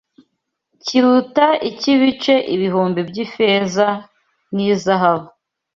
kiruta icy’ibice ibihumbi by’ifeza n’izahabu